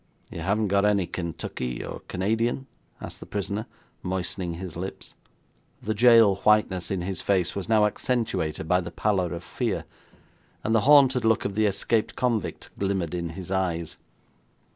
'You haven't got any Kentucky or Canadian?' asked the prisoner, moistening his lips. The jail whiteness in his face was now accentuated by the pallor of fear, and the haunted look of the escaped convict glimmered from his eyes.